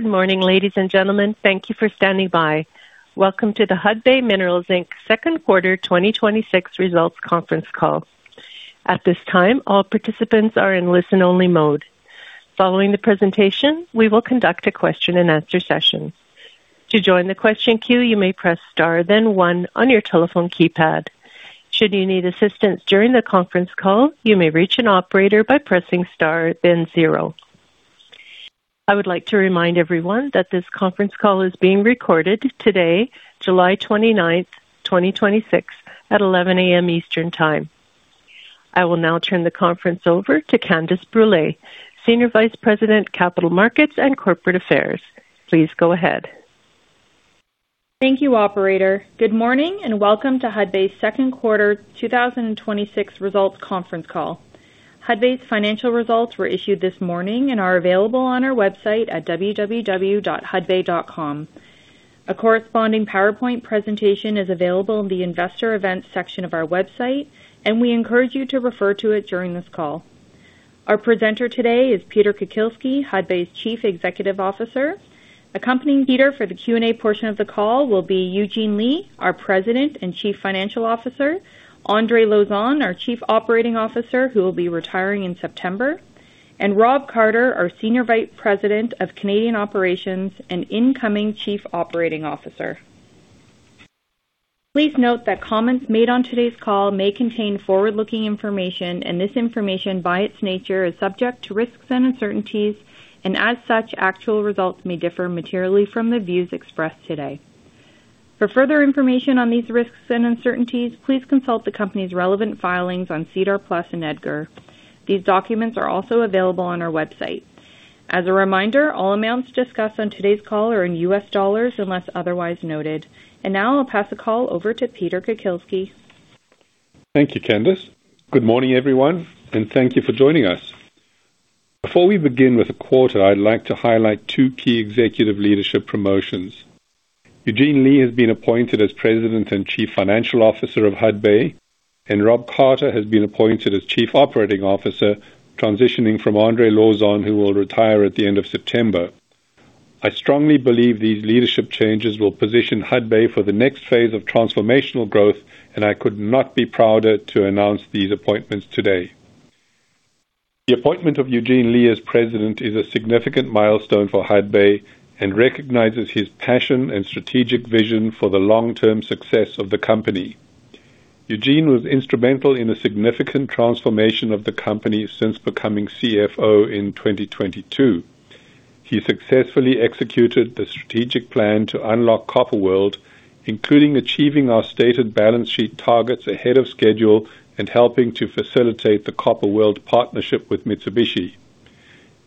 Good morning, ladies and gentlemen. Thank you for standing by. Welcome to the Hudbay Minerals Inc.'s second quarter 2026 results conference call. At this time, all participants are in listen-only mode. Following the presentation, we will conduct a question and answer session. To join the question queue, you may press star then one on your telephone keypad. Should you need assistance during the conference call, you may reach an operator by pressing star then zero. I would like to remind everyone that this conference call is being recorded today, July 29th, 2026, at 11:00 A.M. Eastern Time. I will now turn the conference over to Candace Brule, Senior Vice President, Capital Markets and Corporate Affairs. Please go ahead. Thank you, operator. Good morning and welcome to Hudbay's second quarter 2026 results conference call. Hudbay's financial results were issued this morning and are available on our website at www.hudbay.com. A corresponding PowerPoint presentation is available in the investor events section of our website, and we encourage you to refer to it during this call. Our presenter today is Peter Kukielski, Hudbay's Chief Executive Officer. Accompanying Peter for the Q&A portion of the call will be Eugene Lei, our President and Chief Financial Officer, Andre Lauzon, our Chief Operating Officer, who will be retiring in September, and Rob Carter, our Senior Vice President of Canadian Operations and incoming Chief Operating Officer. Please note that comments made on today's call may contain forward-looking information, and this information, by its nature, is subject to risks and uncertainties, and as such, actual results may differ materially from the views expressed today. For further information on these risks and uncertainties, please consult the company's relevant filings on SEDAR+ and EDGAR. These documents are also available on our website. As a reminder, all amounts discussed on today's call are in US dollars unless otherwise noted. Now I'll pass the call over to Peter Kukielski. Thank you, Candace. Good morning, everyone, and thank you for joining us. Before we begin with the quarter, I'd like to highlight two key executive leadership promotions. Eugene Lei has been appointed as President and Chief Financial Officer of Hudbay, and Rob Carter has been appointed as Chief Operating Officer, transitioning from Andre Lauzon, who will retire at the end of September. I strongly believe these leadership changes will position Hudbay for the next phase of transformational growth, and I could not be prouder to announce these appointments today. The appointment of Eugene Lei as President is a significant milestone for Hudbay and recognizes his passion and strategic vision for the long-term success of the company. Eugene was instrumental in a significant transformation of the company since becoming CFO in 2022. He successfully executed the strategic plan to unlock Copper World, including achieving our stated balance sheet targets ahead of schedule and helping to facilitate the Copper World partnership with Mitsubishi.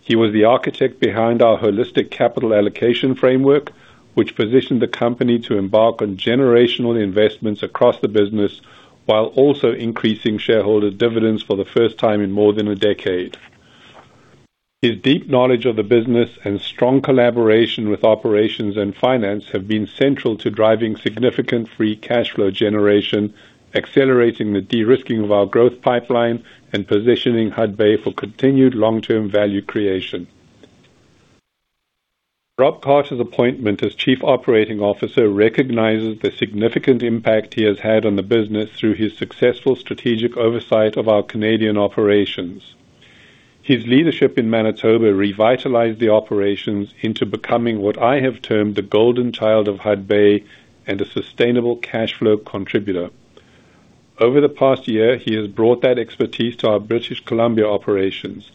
He was the architect behind our holistic capital allocation framework, which positioned the company to embark on generational investments across the business while also increasing shareholder dividends for the first time in more than a decade. His deep knowledge of the business and strong collaboration with operations and finance have been central to driving significant free cash flow generation, accelerating the de-risking of our growth pipeline and positioning Hudbay for continued long-term value creation. Rob Carter's appointment as Chief Operating Officer recognizes the significant impact he has had on the business through his successful strategic oversight of our Canadian operations. His leadership in Manitoba revitalized the operations into becoming what I have termed the golden child of Hudbay and a sustainable cash flow contributor. Over the past year, he has brought that expertise to our British Columbia operations.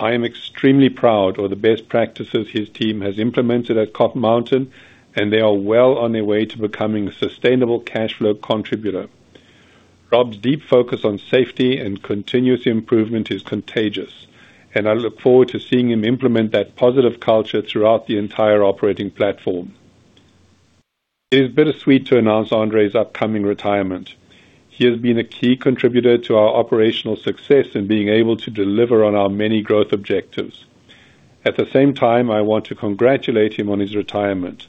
I am extremely proud of the best practices his team has implemented at Copper Mountain, and they are well on their way to becoming a sustainable cash flow contributor. Rob's deep focus on safety and continuous improvement is contagious, and I look forward to seeing him implement that positive culture throughout the entire operating platform. It is bittersweet to announce Andre's upcoming retirement. He has been a key contributor to our operational success in being able to deliver on our many growth objectives. At the same time, I want to congratulate him on his retirement.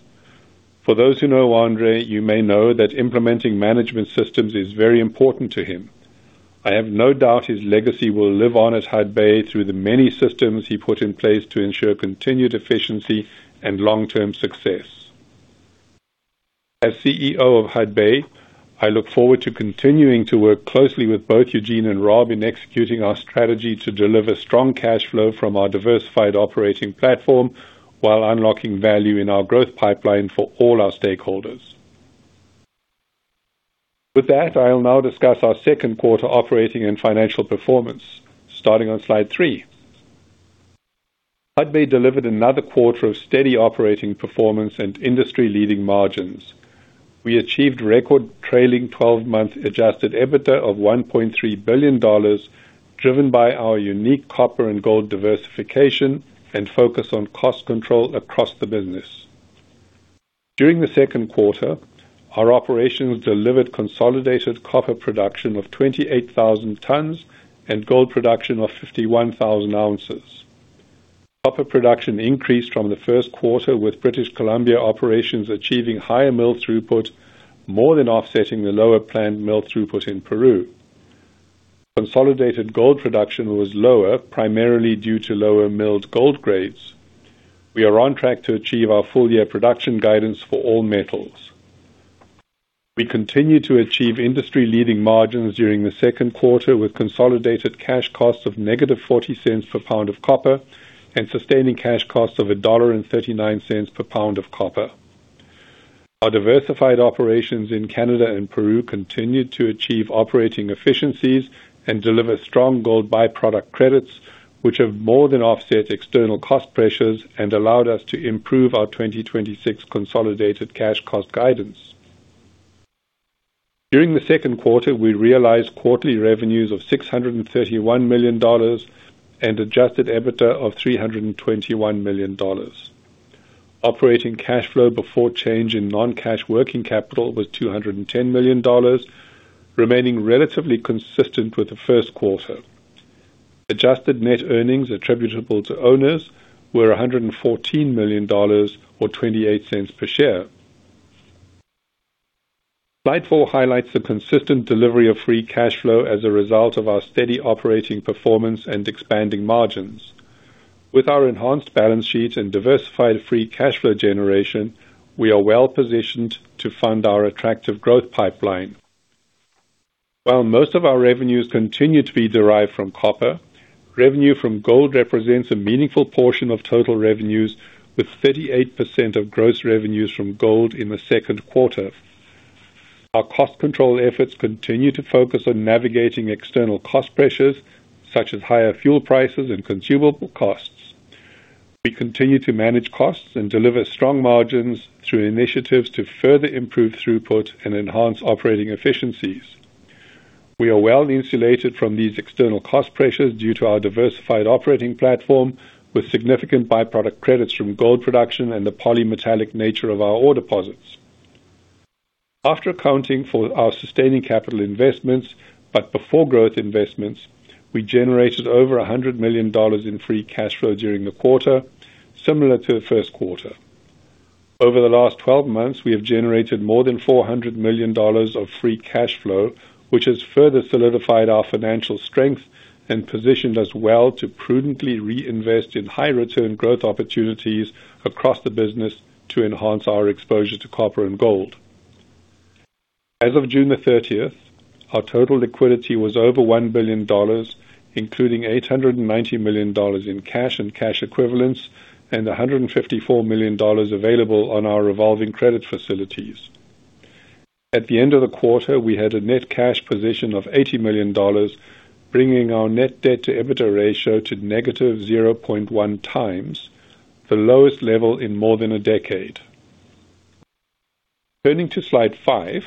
For those who know Andre, you may know that implementing management systems is very important to him. I have no doubt his legacy will live on at Hudbay through the many systems he put in place to ensure continued efficiency and long-term success. As CEO of Hudbay, I look forward to continuing to work closely with both Eugene and Rob in executing our strategy to deliver strong cash flow from our diversified operating platform while unlocking value in our growth pipeline for all our stakeholders. With that, I will now discuss our second quarter operating and financial performance, starting on slide three. Hudbay delivered another quarter of steady operating performance and industry-leading margins. We achieved record trailing 12-month adjusted EBITDA of $1.3 billion, driven by our unique copper and gold diversification and focus on cost control across the business. During the second quarter, our operations delivered consolidated copper production of 28,000 tons and gold production of 51,000 oz. Copper production increased from the first quarter, with British Columbia operations achieving higher mill throughput, more than offsetting the lower planned mill throughput in Peru. Consolidated gold production was lower, primarily due to lower milled gold grades. We are on track to achieve our full year production guidance for all metals. We continue to achieve industry leading margins during the second quarter with consolidated cash costs of -$0.40/lb of copper and sustaining cash costs of $1.39/lb of copper. Our diversified operations in Canada and Peru continued to achieve operating efficiencies and deliver strong gold by-product credits, which have more than offset external cost pressures and allowed us to improve our 2026 consolidated cash cost guidance. During the second quarter, we realized quarterly revenues of $631 million and adjusted EBITDA of $321 million. Operating cash flow before change in non-cash working capital was $210 million, remaining relatively consistent with the first quarter. Adjusted net earnings attributable to owners were $114 million or $0.28 per share. Slide four highlights the consistent delivery of free cash flow as a result of our steady operating performance and expanding margins. With our enhanced balance sheet and diversified free cash flow generation, we are well-positioned to fund our attractive growth pipeline. While most of our revenues continue to be derived from copper, revenue from gold represents a meaningful portion of total revenues, with 38% of gross revenues from gold in the second quarter. Our cost control efforts continue to focus on navigating external cost pressures, such as higher fuel prices and consumable costs. We continue to manage costs and deliver strong margins through initiatives to further improve throughput and enhance operating efficiencies. We are well-insulated from these external cost pressures due to our diversified operating platform, with significant by-product credits from gold production and the polymetallic nature of our ore deposits. After accounting for our sustaining capital investments, but before growth investments, we generated over $100 million in free cash flow during the quarter, similar to the first quarter. Over the last 12 months, we have generated more than $400 million of free cash flow, which has further solidified our financial strength and positioned us well to prudently reinvest in high return growth opportunities across the business to enhance our exposure to copper and gold. As of June the 30th, our total liquidity was over $1 billion, including $890 million in cash and cash equivalents and $154 million available on our revolving credit facilities. At the end of the quarter, we had a net cash position of $80 million, bringing our net debt to EBITDA ratio to -0.1 times, the lowest level in more than a decade. Turning to slide five,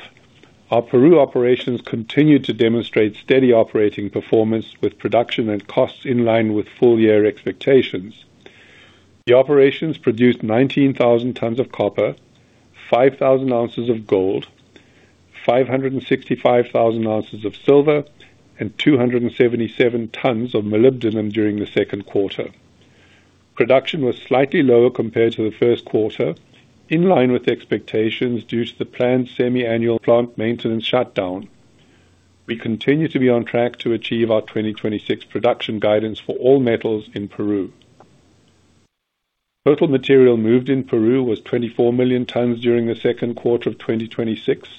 our Peru operations continued to demonstrate steady operating performance with production and costs in line with full year expectations. The operations produced 19,000 tons of copper, 5,000 oz of gold, 565,000 oz of silver, and 277 tons of molybdenum during the second quarter. Production was slightly lower compared to the first quarter, in line with expectations due to the planned semi-annual plant maintenance shutdown. We continue to be on track to achieve our 2026 production guidance for all metals in Peru. Total material moved in Peru was 24 million tons during the second quarter of 2026,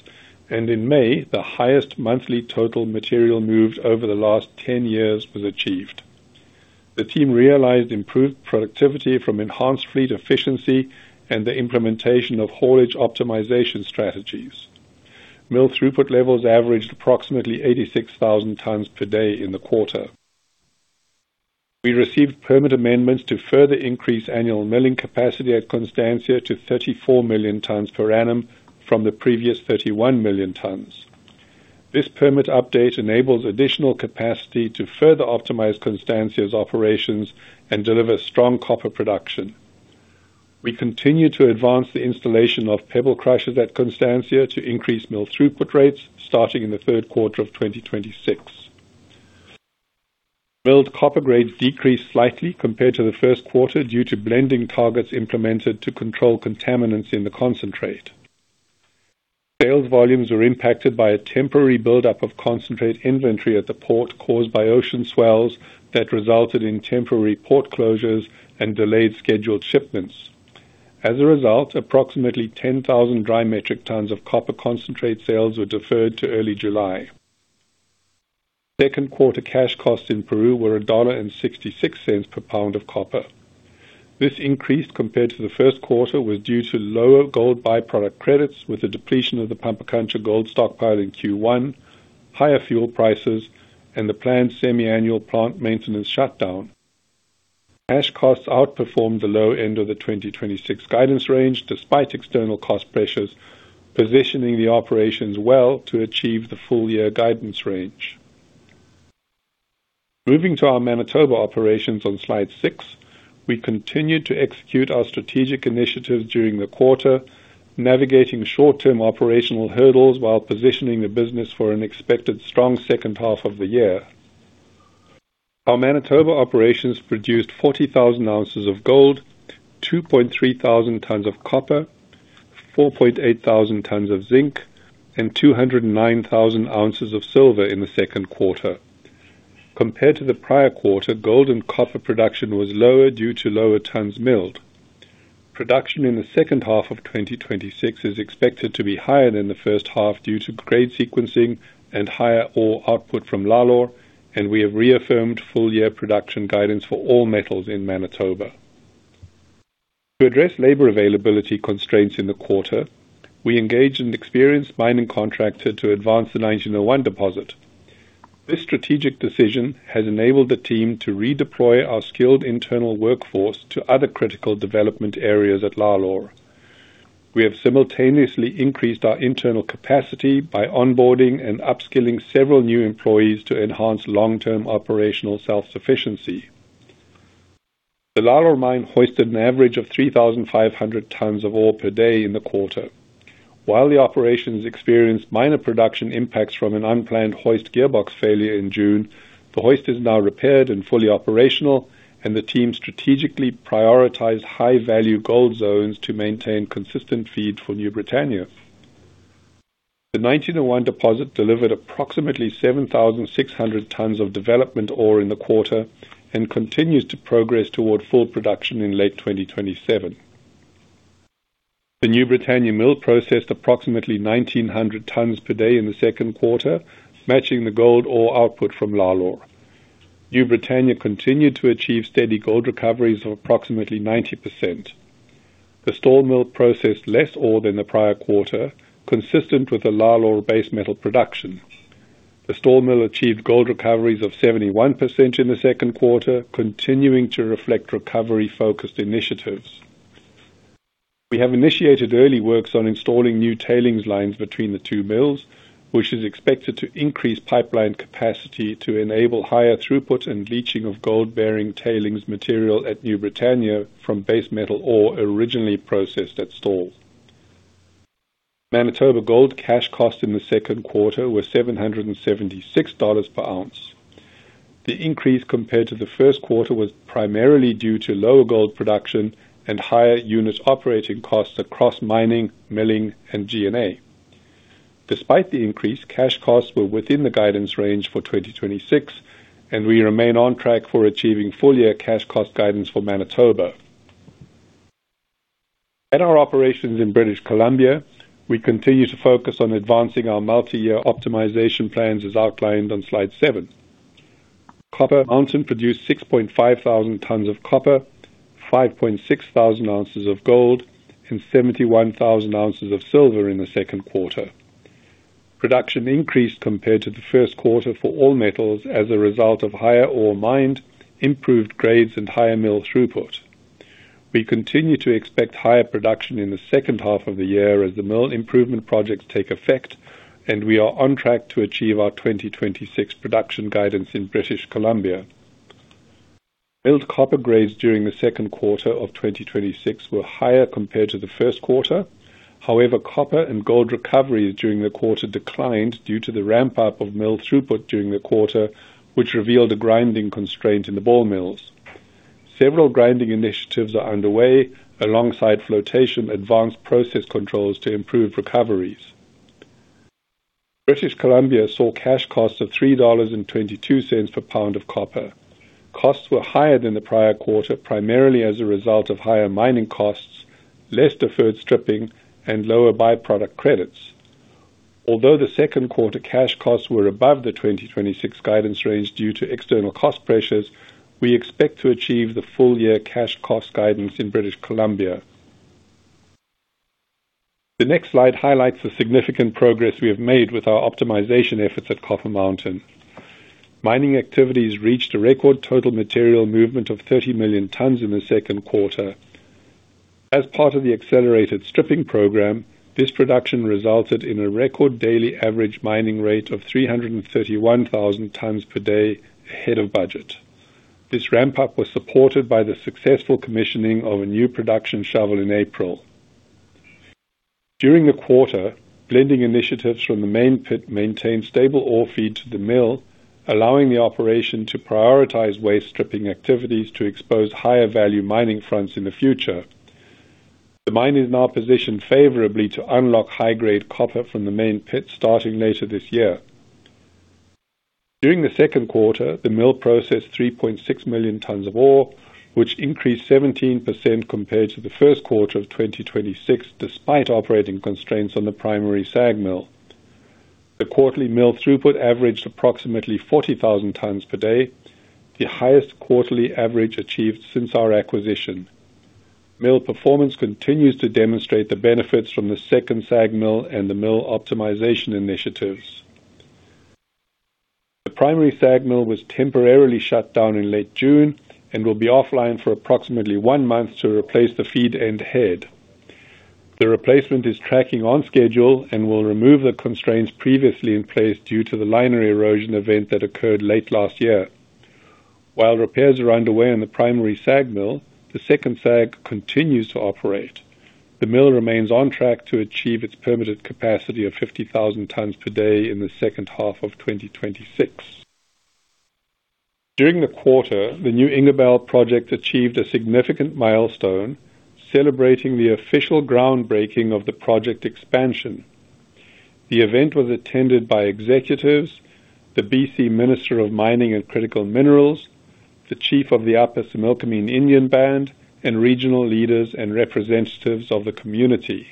and in May, the highest monthly total material moved over the last 10 years was achieved. The team realized improved productivity from enhanced fleet efficiency and the implementation of haulage optimization strategies. Mill throughput levels averaged approximately 86,000 times per day in the quarter. We received permit amendments to further increase annual milling capacity at Constancia to 34 million tons per annum from the previous 31 million tons. This permit update enables additional capacity to further optimize Constancia's operations and deliver strong copper production. We continue to advance the installation of pebble crushes at Constancia to increase mill throughput rates starting in the third quarter of 2026. Milled copper grades decreased slightly compared to the first quarter due to blending targets implemented to control contaminants in the concentrate. Sales volumes were impacted by a temporary buildup of concentrate inventory at the port caused by ocean swells that resulted in temporary port closures and delayed scheduled shipments. Result, approximately 10,000 dry metric tons of copper concentrate sales were deferred to early July. Second quarter cash costs in Peru were $1.66/lb of copper. This increase compared to the first quarter was due to lower gold by-product credits with the depletion of the Pampacancha gold stockpile in Q1, higher fuel prices, and the planned semi-annual plant maintenance shutdown. Cash costs outperformed the low end of the 2026 guidance range despite external cost pressures, positioning the operations well to achieve the full year guidance range. Moving to our Manitoba operations on slide six, we continued to execute our strategic initiatives during the quarter, navigating short-term operational hurdles while positioning the business for an expected strong second half of the year. Our Manitoba operations produced 40,000 oz of gold, 2.3 thousand tons of copper, 4.8 thousand tons of zinc, and 209,000 oz of silver in the second quarter. Compared to the prior quarter, gold and copper production was lower due to lower tons milled. Production in the second half of 2026 is expected to be higher than the first half due to grade sequencing and higher ore output from Lalor. We have reaffirmed full-year production guidance for all metals in Manitoba. To address labor availability constraints in the quarter, we engaged an experienced mining contractor to advance the 1901 deposit. This strategic decision has enabled the team to redeploy our skilled internal workforce to other critical development areas at Lalor. We have simultaneously increased our internal capacity by onboarding and upskilling several new employees to enhance long-term operational self-sufficiency. The Lalor mine hoisted an average of 3,500 tons of ore per day in the quarter. While the operations experienced minor production impacts from an unplanned hoist gearbox failure in June, the hoist is now repaired and fully operational. The team strategically prioritized high-value gold zones to maintain consistent feed for New Britannia. The 1901 deposit delivered approximately 7,600 tons of development ore in the quarter and continues to progress toward full production in late 2027. The New Britannia Mill processed approximately 1,900 tons per day in the second quarter, matching the gold ore output from Lalor. New Britannia continued to achieve steady gold recoveries of approximately 90%. The Stall Mill processed less ore than the prior quarter, consistent with the Lalor base metal production. The Stall Mill achieved gold recoveries of 71% in the second quarter, continuing to reflect recovery-focused initiatives. We have initiated early works on installing new tailings lines between the two mills, which is expected to increase pipeline capacity to enable higher throughput and leaching of gold-bearing tailings material at New Britannia from base metal ore originally processed at Stall. Manitoba gold cash cost in the second quarter was $776/oz. The increase compared to the first quarter was primarily due to lower gold production and higher unit operating costs across mining, milling, and G&A. Despite the increase, cash costs were within the guidance range for 2026. We remain on track for achieving full-year cash cost guidance for Manitoba. At our operations in British Columbia, we continue to focus on advancing our multi-year optimization plans, as outlined on slide seven. Copper Mountain produced 6.5 thousand tons of copper, 5.6 thousand ounces of gold, and 71,000 oz of silver in the second quarter. Production increased compared to the first quarter for all metals as a result of higher ore mined, improved grades, and higher mill throughput. We continue to expect higher production in the second half of the year as the mill improvement projects take effect, and we are on track to achieve our 2026 production guidance in British Columbia. Mill copper grades during the second quarter of 2026 were higher compared to the first quarter. However, copper and gold recoveries during the quarter declined due to the ramp-up of mill throughput during the quarter, which revealed a grinding constraint in the ball mills. Several grinding initiatives are underway alongside flotation advanced process controls to improve recoveries. British Columbia saw cash costs of $3.22/lb of copper. Costs were higher than the prior quarter, primarily as a result of higher mining costs, less deferred stripping, and lower by-product credits. The second quarter cash costs were above the 2026 guidance range due to external cost pressures, we expect to achieve the full-year cash cost guidance in British Columbia. The next slide highlights the significant progress we have made with our optimization efforts at Copper Mountain. Mining activities reached a record total material movement of 30 million tons in the second quarter. As part of the accelerated stripping program, this production resulted in a record daily average mining rate of 331,000 tons per day ahead of budget. This ramp-up was supported by the successful commissioning of a new production shovel in April. During the quarter, blending initiatives from the main pit maintained stable ore feed to the mill, allowing the operation to prioritize waste stripping activities to expose higher-value mining fronts in the future. The mine is now positioned favorably to unlock high-grade copper from the main pit starting later this year. During the second quarter, the mill processed 3.6 million tons of ore, which increased 17% compared to the first quarter of 2026, despite operating constraints on the primary SAG mill. The quarterly mill throughput averaged approximately 40,000 tons per day, the highest quarterly average achieved since our acquisition. Mill performance continues to demonstrate the benefits from the second SAG mill and the mill optimization initiatives. The primary SAG mill was temporarily shut down in late June and will be offline for approximately one month to replace the feed end head. The replacement is tracking on schedule and will remove the constraints previously in place due to the liner erosion event that occurred late last year. While repairs are underway on the primary SAG mill, the second SAG continues to operate. The mill remains on track to achieve its permitted capacity of 50,000 tons per day in the second half of 2026. During the quarter, the New Ingerbelle project achieved a significant milestone, celebrating the official groundbreaking of the project expansion. The event was attended by executives, the BC Minister of Mining and Critical Minerals, the Chief of the Upper Similkameen Indian Band, and regional leaders and representatives of the community.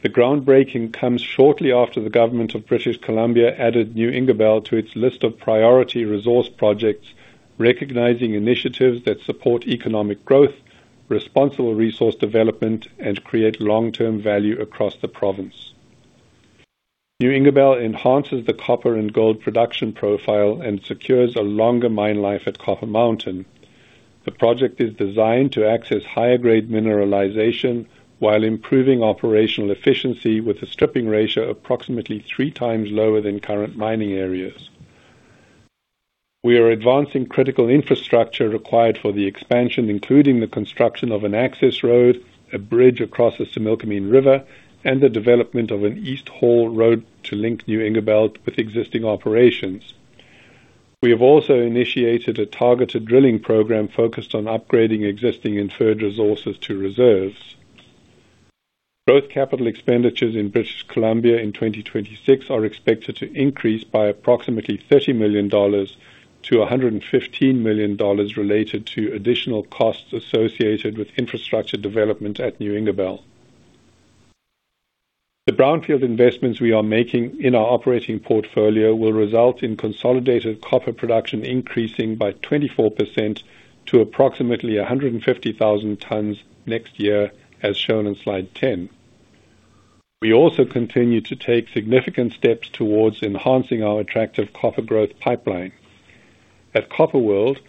The groundbreaking comes shortly after the government of British Columbia added New Ingerbelle to its list of priority resource projects, recognizing initiatives that support economic growth, responsible resource development, and create long-term value across the province. New Ingerbelle enhances the copper and gold production profile and secures a longer mine life at Copper Mountain. The project is designed to access higher grade mineralization while improving operational efficiency with a stripping ratio approximately three times lower than current mining areas. We are advancing critical infrastructure required for the expansion, including the construction of an access road, a bridge across the Similkameen River, and the development of an East Haul Road to link New Ingerbelle with existing operations. We have also initiated a targeted drilling program focused on upgrading existing inferred resources to reserves. Both capital expenditures in British Columbia in 2026 are expected to increase by approximately $30 million to $115 million related to additional costs associated with infrastructure development at New Ingerbelle. The brownfield investments we are making in our operating portfolio will result in consolidated copper production increasing by 24% to approximately 150,000 tons next year, as shown on slide ten. We also continue to take significant steps towards enhancing our attractive copper growth pipeline. At Copper World,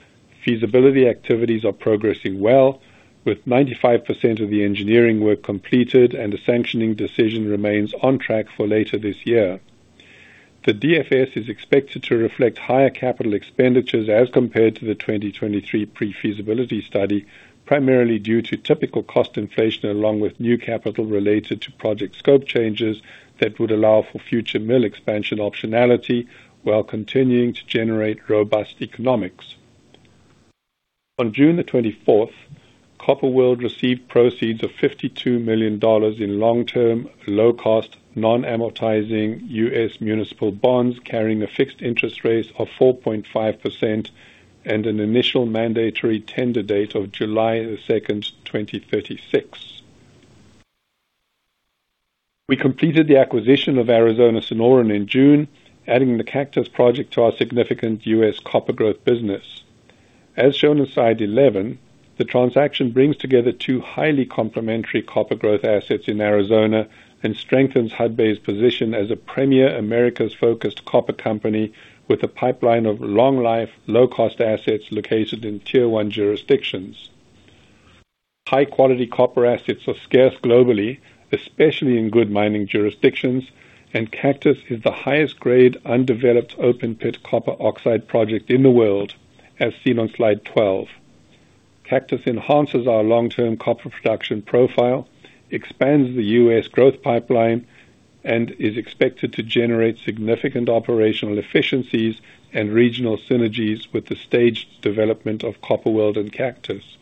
feasibility activities are progressing well, with 95% of the engineering work completed and a sanctioning decision remains on track for later this year. The DFS is expected to reflect higher capital expenditures as compared to the 2023 pre-feasibility study, primarily due to typical cost inflation along with new capital related to project scope changes that would allow for future mill expansion optionality while continuing to generate robust economics. On June the 24th, Copper World received proceeds of $52 million in long-term, low-cost, non-amortizing U.S. municipal bonds carrying a fixed interest rate of 4.5% and an initial mandatory tender date of July 2nd, 2036. We completed the acquisition of Arizona Sonoran in June, adding the Cactus project to our significant U.S. copper growth business. As shown on slide 11, the transaction brings together two highly complementary copper growth assets in Arizona and strengthens Hudbay's position as a premier Americas-focused copper company with a pipeline of long life, low-cost assets located in Tier 1 jurisdictions. High-quality copper assets are scarce globally, especially in good mining jurisdictions, and Cactus is the highest grade undeveloped open-pit copper oxide project in the world, as seen on slide twelve. Cactus enhances our long-term copper production profile, expands the U.S. growth pipeline, and is expected to generate significant operational efficiencies and regional synergies with the staged development of Copper World and Cactus.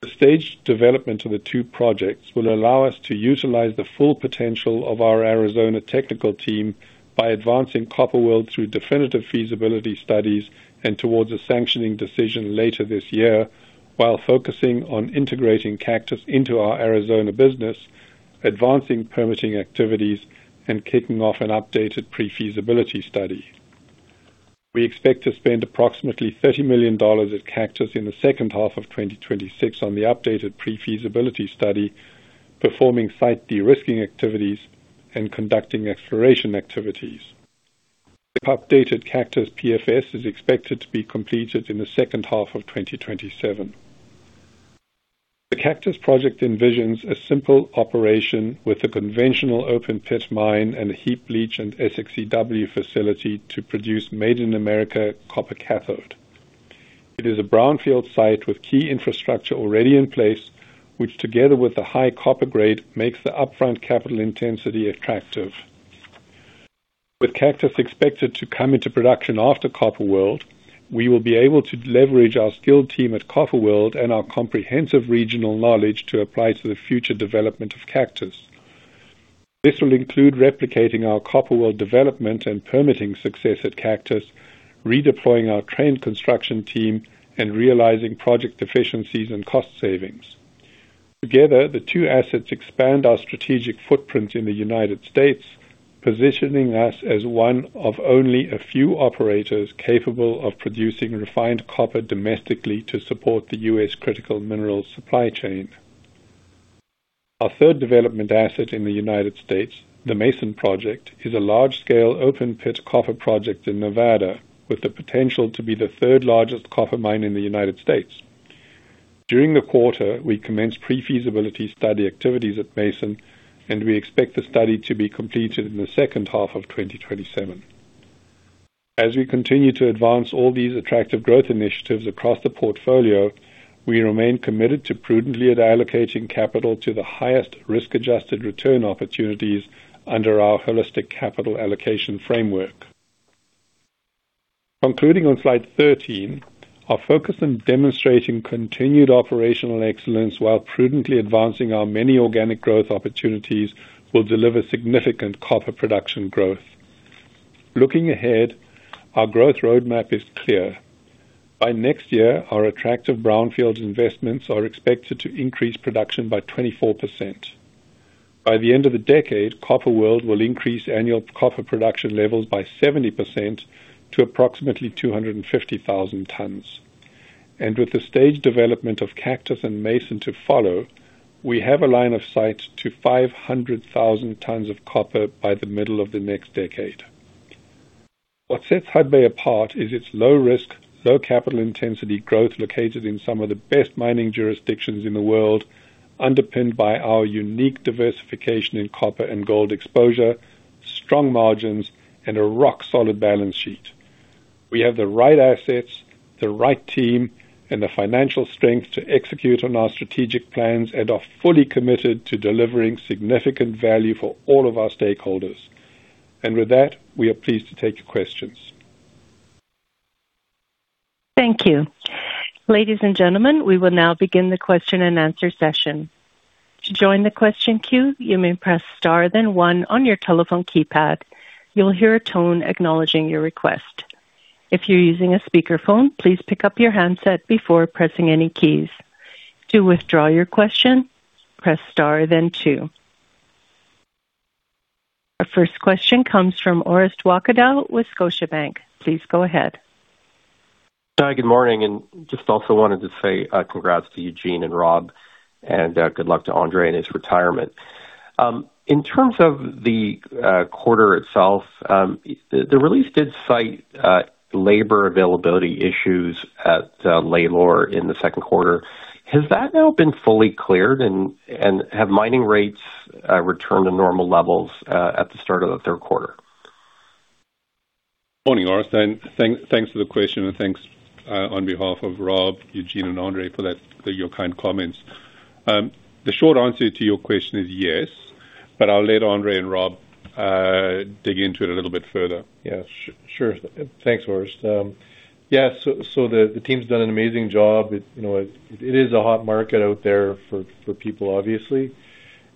The staged development of the two projects will allow us to utilize the full potential of our Arizona technical team by advancing Copper World through definitive feasibility studies and towards a sanctioning decision later this year, while focusing on integrating Cactus into our Arizona business, advancing permitting activities, and kicking off an updated pre-feasibility study. We expect to spend approximately $30 million at Cactus in the second half of 2026 on the updated pre-feasibility study, performing site de-risking activities and conducting exploration activities. The updated Cactus PFS is expected to be completed in the second half of 2027. The Cactus project envisions a simple operation with a conventional open-pit mine and a heap leach and SX/EW facility to produce Made in America copper cathode. It is a brownfield site with key infrastructure already in place, which together with the high copper grade, makes the upfront capital intensity attractive. With Cactus expected to come into production after Copper World, we will be able to leverage our skilled team at Copper World and our comprehensive regional knowledge to apply to the future development of Cactus. This will include replicating our Copper World development and permitting success at Cactus, redeploying our trained construction team, and realizing project efficiencies and cost savings. Together, the two assets expand our strategic footprint in the United States., positioning us as one of only a few operators capable of producing refined copper domestically to support the United States. critical minerals supply chain. Our third development asset in the United States the Mason Project, is a large-scale open-pit copper project in Nevada with the potential to be the third largest copper mine in the United States. During the quarter, we commenced pre-feasibility study activities at Mason, and we expect the study to be completed in the second half of 2027. As we continue to advance all these attractive growth initiatives across the portfolio, we remain committed to prudently allocating capital to the highest risk-adjusted return opportunities under our holistic capital allocation framework. Concluding on slide 13, our focus on demonstrating continued operational excellence while prudently advancing our many organic growth opportunities will deliver significant copper production growth. Looking ahead, our growth roadmap is clear. By next year, our attractive brownfield investments are expected to increase production by 24%. By the end of the decade, Copper World will increase annual copper production levels by 70% to approximately 250,000 tons. With the stage development of Cactus and Mason to follow, we have a line of sight to 500,000 tons of copper by the middle of the next decade. What sets Hudbay apart is its low risk, low capital intensity growth located in some of the best mining jurisdictions in the world, underpinned by our unique diversification in copper and gold exposure, strong margins, and a rock-solid balance sheet. We have the right assets, the right team, and the financial strength to execute on our strategic plans and are fully committed to delivering significant value for all of our stakeholders. With that, we are pleased to take your questions. Thank you. Ladies and gentlemen, we will now begin the question and answer session. To join the question queue, you may press star then one on your telephone keypad. You'll hear a tone acknowledging your request. If you're using a speakerphone, please pick up your handset before pressing any keys. To withdraw your question, press star then two. Our first question comes from Orest Wowkodaw with Scotiabank. Please go ahead. Good morning, just also wanted to say congrats to Eugene and Rob, and good luck to Andre in his retirement. In terms of the quarter itself, the release did cite labor availability issues at Lalor in the second quarter. Has that now been fully cleared, and have mining rates returned to normal levels, at the start of the third quarter? Morning, Orest, thanks for the question, and thanks on behalf of Rob, Eugene, and Andre for your kind comments. The short answer to your question is yes, but I'll let Andre and Rob dig into it a little bit further. Yeah, sure. Thanks, Orest. The team's done an amazing job. It is a hot market out there for people, obviously.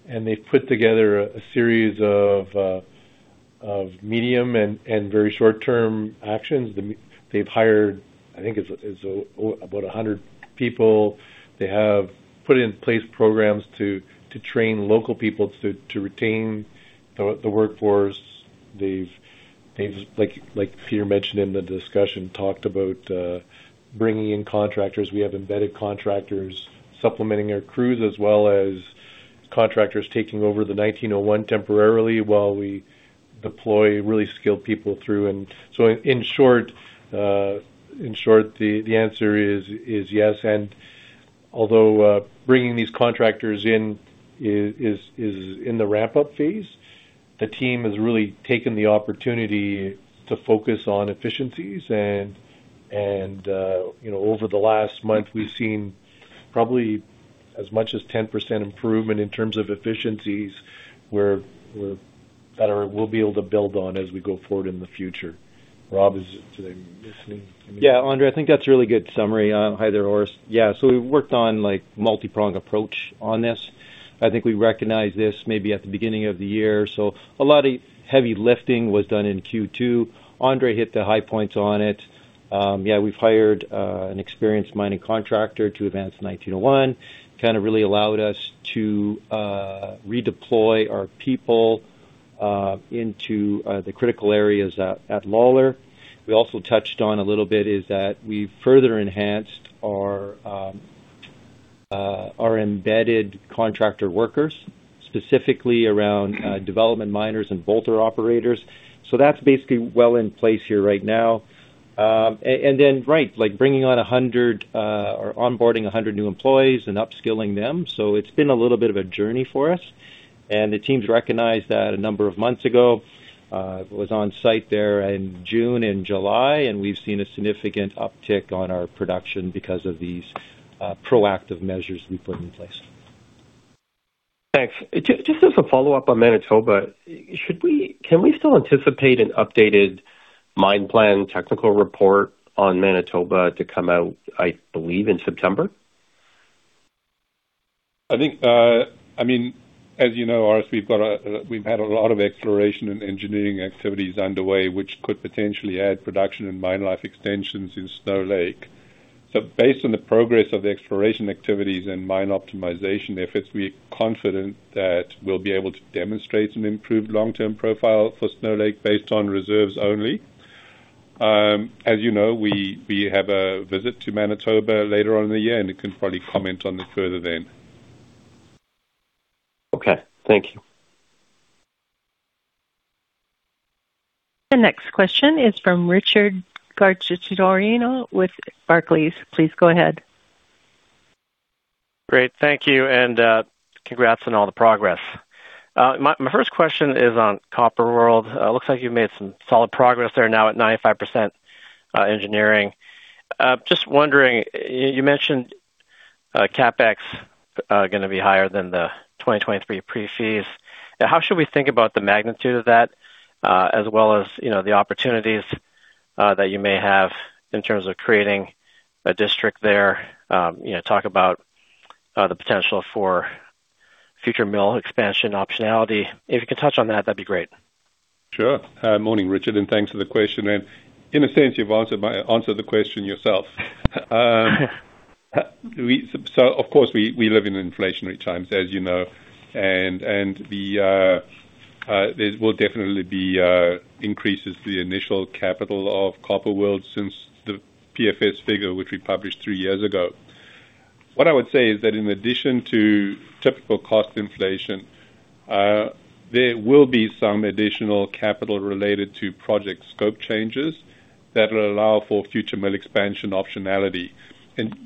They've put together a series of medium and very short-term actions. They've hired, I think it's about 100 people. They have put in place programs to train local people to retain the workforce. They've, like Peter mentioned in the discussion, talked about bringing in contractors. We have embedded contractors supplementing our crews as well as contractors taking over the 1901 temporarily while we deploy really skilled people through. In short, the answer is yes. Although bringing these contractors in is in the ramp-up phase, the team has really taken the opportunity to focus on efficiencies and over the last month, we've seen probably as much as 10% improvement in terms of efficiencies that we'll be able to build on as we go forward in the future. Rob, did I miss anything? Andre, I think that's a really good summary. Hi there, Orest. We worked on multi-pronged approach on this. I think we recognized this maybe at the beginning of the year. A lot of heavy lifting was done in Q2. Andre hit the high points on it. We've hired an experienced mining contractor to advance 1901. Kind of really allowed us to redeploy our people into the critical areas at Lalor. We also touched on a little bit is that we've further enhanced our embedded contractor workers, specifically around development miners and bolter operators. That's basically well in place here right now. Then right, onboarding 100 new employees and upskilling them. It's been a little bit of a journey for us. The teams recognized that a number of months ago. I was on site there in June and July, we've seen a significant uptick on our production because of these proactive measures we put in place. Thanks. Just as a follow-up on Manitoba, can we still anticipate an updated mine plan technical report on Manitoba to come out, I believe, in September? I think, as you know, Orest, we've had a lot of exploration and engineering activities underway which could potentially add production and mine life extensions in Snow Lake. Based on the progress of the exploration activities and mine optimization efforts, we are confident that we'll be able to demonstrate an improved long-term profile for Snow Lake based on reserves only. As you know, we have a visit to Manitoba later on in the year, I can probably comment on it further then. Okay. Thank you. The next question is from Richard Garchitorena with Barclays. Please go ahead. Great. Thank you, congrats on all the progress. My first question is on Copper World. Looks like you've made some solid progress there now at 95% engineering. Just wondering, you mentioned CapEx going to be higher than the 2023 PFS. How should we think about the magnitude of that, as well as the opportunities that you may have in terms of creating a district there? Talk about the potential for future mill expansion optionality. If you can touch on that'd be great. Sure. Morning, Richard, thanks for the question. In a sense, you've answered the question yourself. Of course, we live in inflationary times, as you know. There will definitely be increases to the initial capital of Copper World since the PFS figure, which we published three years ago. What I would say is that in addition to typical cost inflation, there will be some additional capital related to project scope changes that will allow for future mill expansion optionality.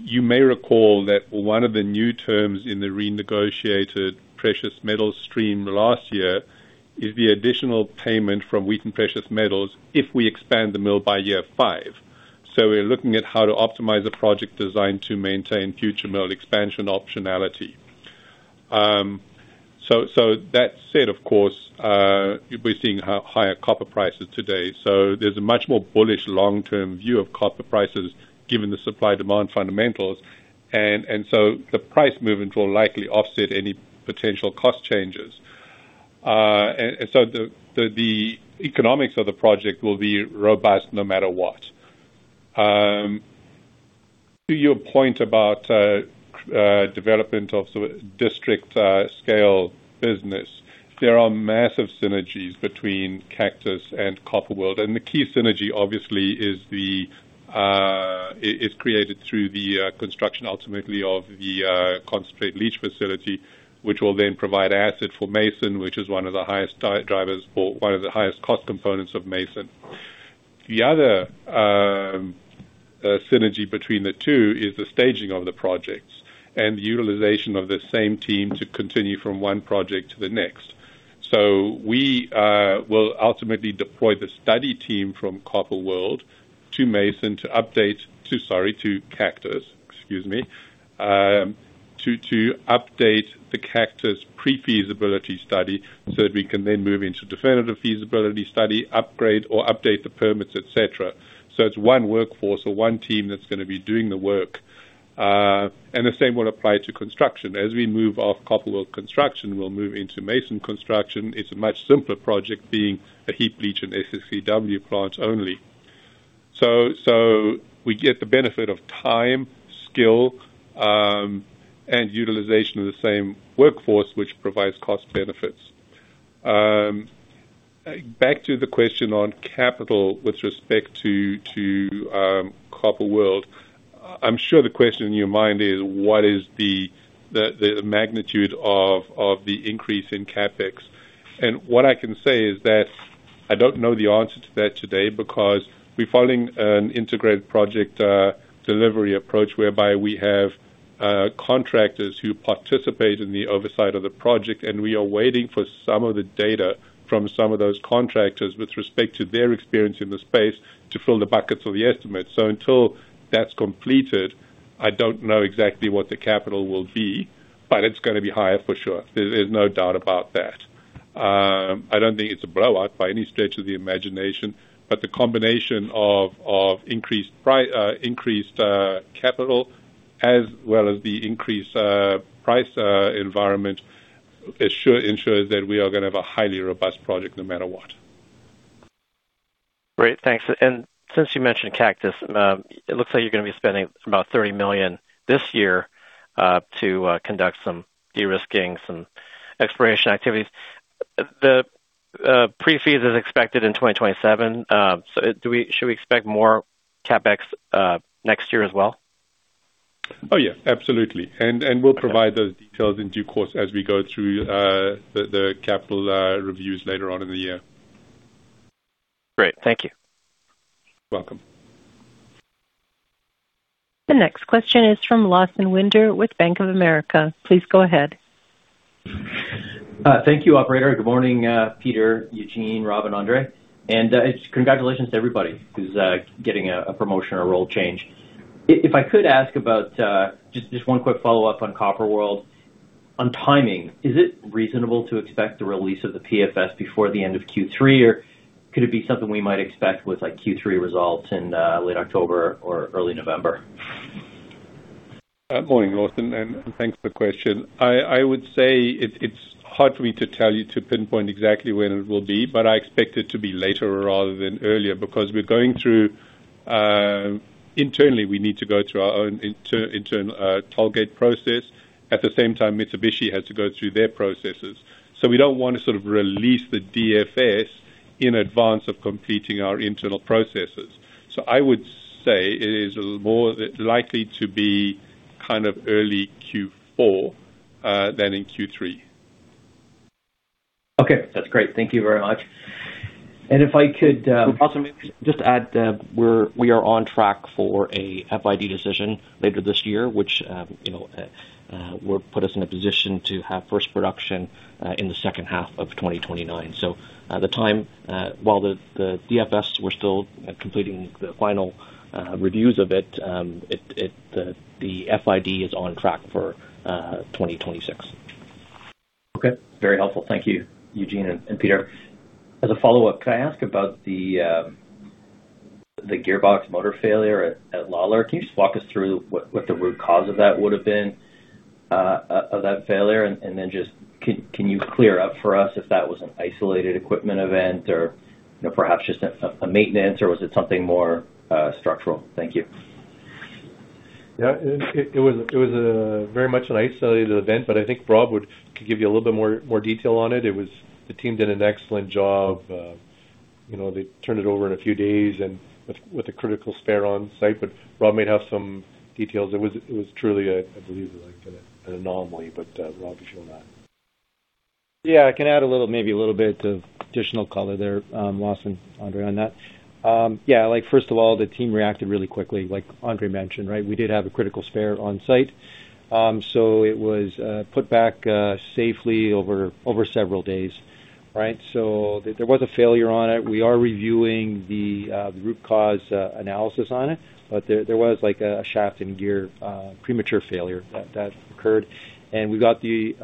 You may recall that one of the new terms in the renegotiated precious metal stream last year is the additional payment from Wheaton Precious Metals if we expand the mill by year five. We're looking at how to optimize a project designed to maintain future mill expansion optionality. That said, of course, we're seeing higher copper prices today. There's a much more bullish long-term view of copper prices given the supply-demand fundamentals. The price movements will likely offset any potential cost changes. The economics of the project will be robust no matter what. To your point about development of district scale business, there are massive synergies between Cactus and Copper World. The key synergy obviously is created through the construction ultimately of the concentrate leach facility, which will then provide acid for Mason, which is one of the highest drivers or one of the highest cost components of Mason. The other synergy between the two is the staging of the projects and the utilization of the same team to continue from one project to the next. We will ultimately deploy the study team from Copper World to Mason to update the Cactus pre-feasibility study so that we can then move into definitive feasibility study, upgrade, or update the permits, et cetera. It's one workforce or one team that's going to be doing the work. The same will apply to construction. As we move off Copper World construction, we'll move into Mason Construction. It's a much simpler project, being a heap leach and SX/EW plant only. We get the benefit of time, skill, and utilization of the same workforce, which provides cost benefits. Back to the question on capital with respect to Copper World. I'm sure the question in your mind is, what is the magnitude of the increase in CapEx? What I can say is that I don't know the answer to that today because we're following an integrated project delivery approach whereby we have contractors who participate in the oversight of the project, and we are waiting for some of the data from some of those contractors with respect to their experience in the space to fill the buckets of the estimate. Until that's completed, I don't know exactly what the capital will be, but it's going to be higher for sure. There's no doubt about that. I don't think it's a blowout by any stretch of the imagination, but the combination of increased capital as well as the increased price environment ensures that we are going to have a highly robust project no matter what. Great. Thanks. Since you mentioned Cactus, it looks like you're going to be spending about $30 million this year to conduct some de-risking, some exploration activities. The pre-fees is expected in 2027. Should we expect more CapEx next year as well? Oh, yeah. Absolutely. We'll provide those details in due course as we go through the capital reviews later on in the year. Great. Thank you. Welcome. The next question is from Lawson Winder with Bank of America. Please go ahead. Thank you, operator. Good morning, Peter, Eugene, Rob, and Andre. Congratulations to everybody who's getting a promotion or role change. If I could ask about just one quick follow-up on Copper World. On timing, is it reasonable to expect the release of the PFS before the end of Q3, or could it be something we might expect with Q3 results in late October or early November? Morning, Lawson, thanks for the question. I would say it's hard for me to tell you to pinpoint exactly when it will be, but I expect it to be later rather than earlier because internally, we need to go through our own internal target process. At the same time, Mitsubishi has to go through their processes. We don't want to sort of release the DFS in advance of completing our internal processes. I would say it is more likely to be kind of early Q4 than in Q3. Okay, that's great. Thank you very much. If I could, Also maybe just add, we are on track for a FID decision later this year, which will put us in a position to have first production in the second half of 2029. The time while the DFS, we're still completing the final reviews of it, the FID is on track for 2026. Okay. Very helpful. Thank you, Eugene and Peter. As a follow-up, can I ask about the gearbox motor failure at Lalor? Can you just walk us through what the root cause of that would've been, of that failure? Then just, can you clear up for us if that was an isolated equipment event or perhaps just a maintenance, or was it something more structural? Thank you. It was very much an isolated event. I think Rob could give you a little bit more detail on it. The team did an excellent job. They turned it over in a few days and with a critical spare on site. Rob may have some details. It was truly, I believe, an anomaly. Rob can fill in on that. I can add a little, maybe a little bit of additional color there, Lawson. Andre, on that. First of all, the team reacted really quickly, like Andre mentioned. We did have a critical spare on site. It was put back safely over several days. There was a failure on it. We are reviewing the root cause analysis on it. There was a shaft and gear premature failure that occurred. We got the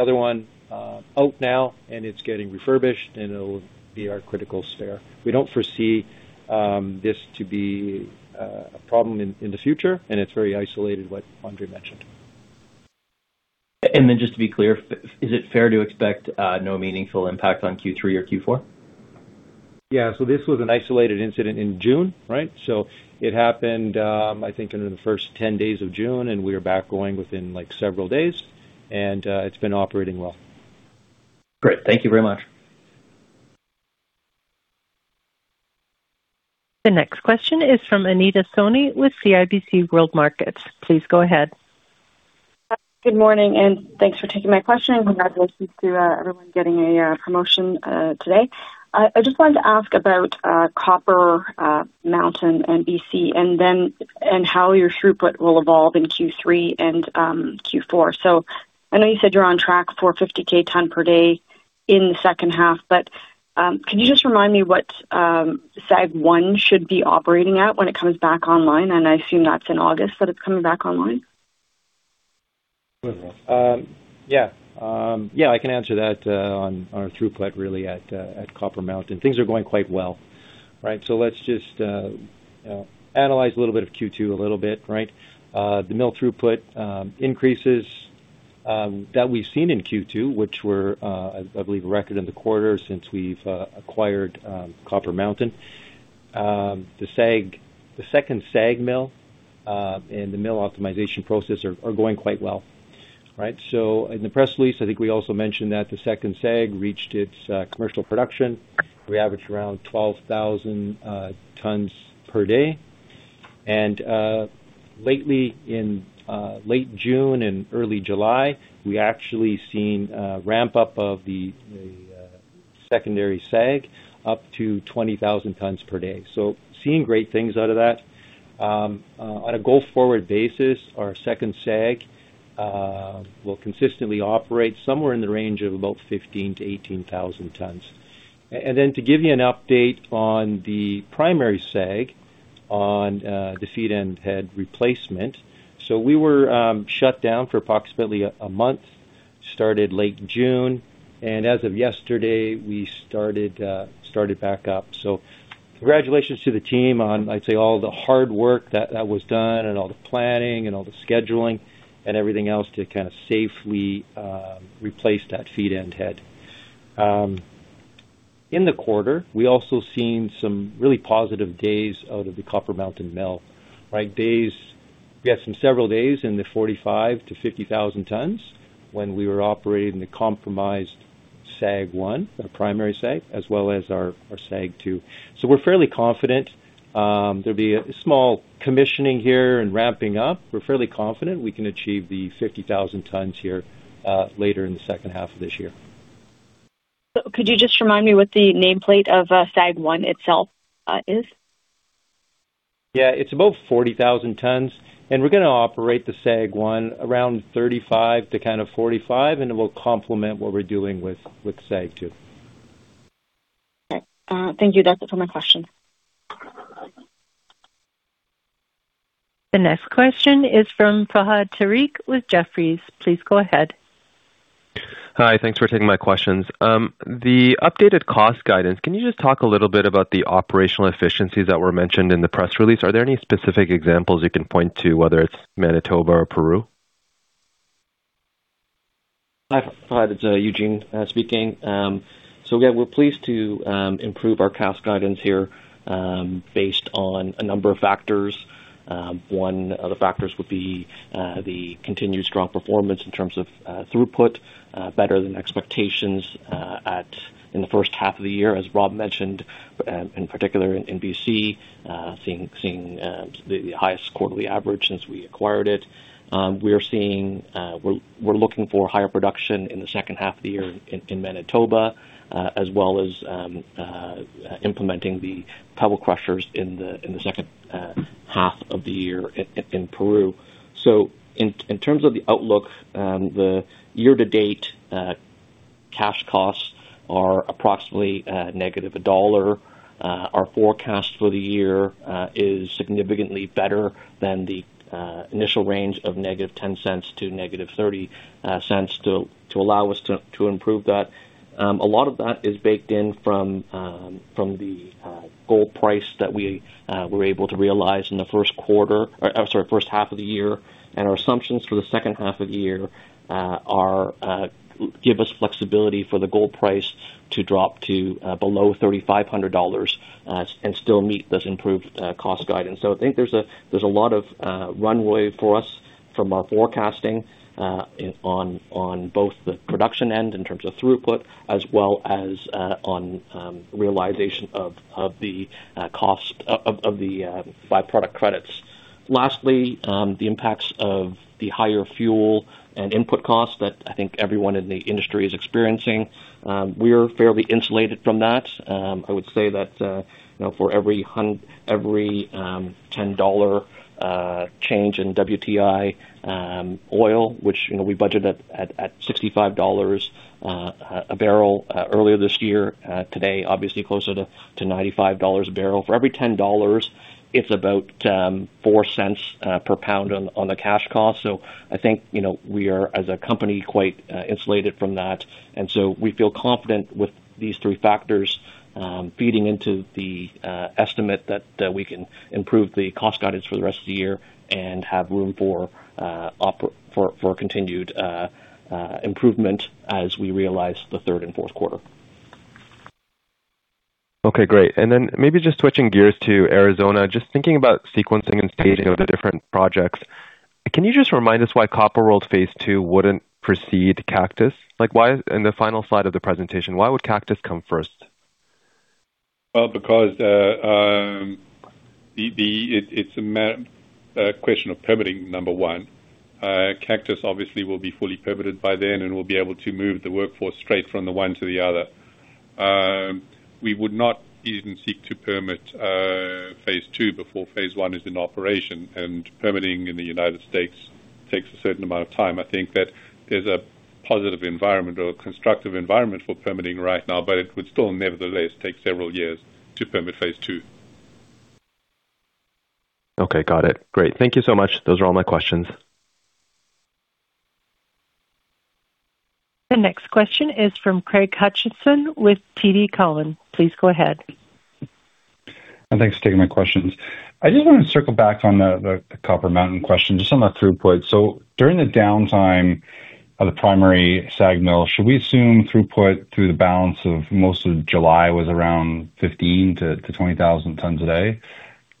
other one out now, and it's getting refurbished, and it'll be our critical spare. We don't foresee this to be a problem in the future, and it's very isolated, what Andre mentioned. Just to be clear, is it fair to expect no meaningful impact on Q3 or Q4? This was an isolated incident in June. It happened, I think in the first 10 days of June, and we were back going within several days, and it's been operating well. Great. Thank you very much. The next question is from Anita Soni with CIBC World Markets. Please go ahead. Good morning. Thanks for taking my question, and congratulations to everyone getting a promotion today. I just wanted to ask about Copper Mountain and B.C. and how your throughput will evolve in Q3 and Q4. I know you said you're on track for 50,000 tons per day in the second half, can you just remind me what SAG 1 should be operating at when it comes back online? I assume that's in August that it's coming back online. I can answer that on our throughput really at Copper Mountain. Things are going quite well. Let's just analyze a little bit of Q2 a little bit. The mill throughput increases that we've seen in Q2, which were, I believe, a record in the quarter since we've acquired Copper Mountain. The second SAG mill and the mill optimization process are going quite well. In the press release, I think we also mentioned that the second SAG reached its commercial production. We average around 12,000 tons per day. Lately, in late June and early July, we actually seen a ramp up of the secondary SAG up to 20,000 tons per day. Seeing great things out of that. On a go forward basis, our second SAG will consistently operate somewhere in the range of about 15,000-18,000 tons. To give you an update on the primary SAG on the feed end head replacement, we were shut down for approximately a month, started late June, and as of yesterday, we started back up. Congratulations to the team on, I'd say, all the hard work that was done and all the planning and all the scheduling and everything else to kind of safely replace that feed end head. In the quarter, we also seen some really positive days out of the Copper Mountain Mill. We had some several days in the 45,000-50,000 tons when we were operating the compromised SAG 1, our primary SAG, as well as our SAG 2. We're fairly confident. There'll be a small commissioning here and ramping up. We're fairly confident we can achieve the 50,000 tons here, later in the second half of this year. Could you just remind me what the nameplate of SAG 1 itself is? Yeah. It's about 40,000 tons, we're going to operate the SAG 1 around 35 to kind of 45, it will complement what we're doing with SAG 2. Okay. Thank you. That's it for my question. The next question is from Fahad Tariq with Jefferies. Please go ahead. Hi. Thanks for taking my questions. The updated cost guidance, can you just talk a little bit about the operational efficiencies that were mentioned in the press release? Are there any specific examples you can point to, whether it's Manitoba or Peru? Hi, Fahad. It's Eugene speaking. Again, we're pleased to improve our cost guidance here based on a number of factors. One of the factors would be the continued strong performance in terms of throughput, better than expectations in the first half of the year, as Rob mentioned, in particular in B.C., seeing the highest quarterly average since we acquired it. We're looking for higher production in the second half of the year in Manitoba, as well as implementing the pebble crushers in the second half of the year in Peru. In terms of the outlook, the year-to-date cash costs are approximately -$1. Our forecast for the year is significantly better than the initial range of -$0.10 to -$0.30 to allow us to improve that. A lot of that is baked in from the gold price that we were able to realize in the first half of the year, and our assumptions for the second half of the year give us flexibility for the gold price to drop to below $3,500 and still meet this improved cost guidance. I think there's a lot of runway for us from our forecasting on both the production end, in terms of throughput, as well as on realization of the by-product credits. Lastly, the impacts of the higher fuel and input costs that I think everyone in the industry is experiencing. We're fairly insulated from that. I would say that for every $10 change in WTI oil, which we budget at $65 a barrel earlier this year, today, obviously closer to $95 a barrel. For every $10, it's about $0.04/lb on the cash cost. I think we are, as a company, quite insulated from that. We feel confident with these three factors feeding into the estimate that we can improve the cost guidance for the rest of the year and have room for continued improvement as we realize the third and fourth quarter. Okay, great. Maybe just switching gears to Arizona, just thinking about sequencing and staging of the different projects. Can you just remind us why Copper World Phase 2 wouldn't precede Cactus? In the final slide of the presentation, why would Cactus come first? Well, because it's a question of permitting, number one. Cactus obviously will be fully permitted by then, and we'll be able to move the workforce straight from the one to the other. We would not even seek to permit Phase 2 before Phase 1 is in operation, and permitting in the United States takes a certain amount of time. I think that there's a positive environment or a constructive environment for permitting right now, it would still nevertheless take several years to permit Phase 2. Okay, got it. Great. Thank you so much. Those are all my questions. The next question is from Craig Hutchison with TD Cowen. Please go ahead. Thanks for taking my questions. I just want to circle back on the Copper Mountain question, just on the throughput. So during the downtime of the primary SAG mill, should we assume throughput through the balance of most of July was around 15,000-20,000 tons a day?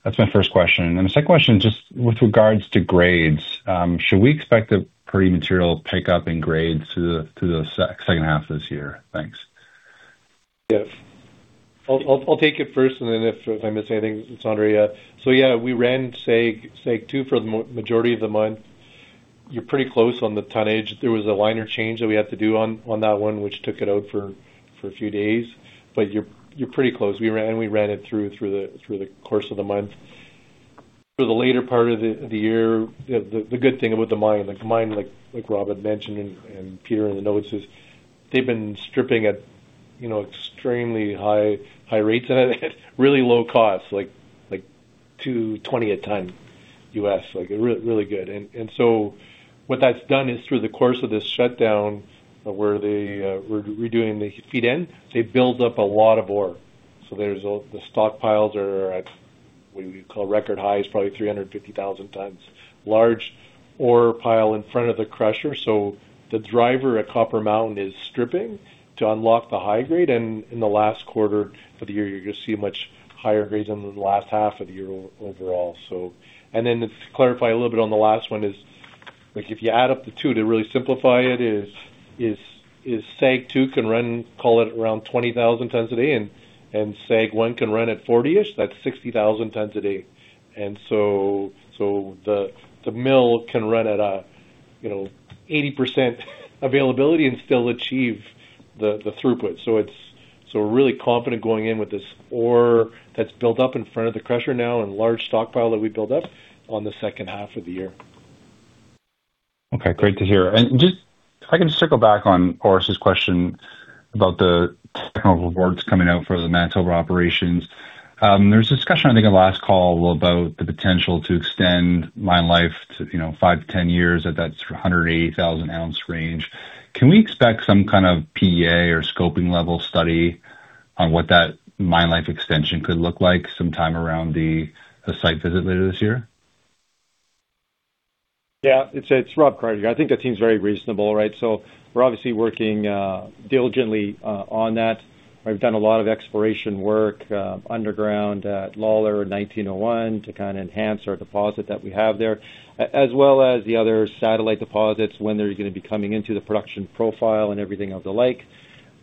That's my first question. The second question, just with regards to grades, should we expect the pre material pick up in grades through the second half of this year? Thanks. Yes. I'll take it first, and then if I miss anything, send it to Andre. Yeah, we ran SAG 2 for the majority of the month. You're pretty close on the tonnage. There was a liner change that we had to do on that one, which took it out for a few days, but you're pretty close. We ran it through the course of the month. For the later part of the year, the good thing about the mine, like Rob had mentioned and Peter in the notes is they've been stripping at extremely high rates at really low costs, like $220 a ton U.S., really good. What that's done is through the course of this shutdown where they were redoing the feed end, they build up a lot of ore. The stockpiles are at what you call record highs, probably 350,000 tons large ore pile in front of the crusher. The driver at Copper Mountain is stripping to unlock the high grade. In the last quarter of the year, you're going to see much higher grades than the last half of the year overall. Then to clarify a little bit on the last one is, if you add up the two to really simplify it is, SAG 2 can run, call it, around 20,000 tons a day and SAG 1 can run at 40-ish, that's 60,000 tons a day. The mill can run at 80% availability and still achieve the throughput. We're really confident going in with this ore that's built up in front of the crusher now and large stockpile that we built up on the second half of the year. Okay, great to hear. If I can just circle back on Orest's question about the boards coming out for the Manitoba operations. There was a discussion, I think, on last call about the potential to extend mine life to 5-10 years at that 180,000 oz range. Can we expect some kind of PEA or scoping level study on what that mine life extension could look like sometime around the site visit later this year? Yeah, it's Rob Carter. I think that seems very reasonable, right? We're obviously working diligently on that. We've done a lot of exploration work underground at Lalor 1901 to kind of enhance our deposit that we have there, as well as the other satellite deposits when they're going to be coming into the production profile and everything of the like.